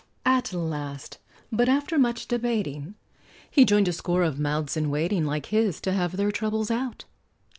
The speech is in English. At last, but after much debating, He joined a score of mouths in waiting, Like his, to have their troubles out.